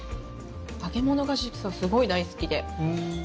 揚げ物が実はすごい大好きで。